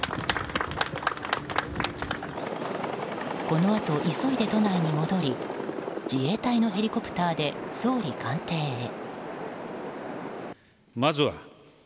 この後、急いで都内に戻り自衛隊のヘリコプターで総理官邸へ。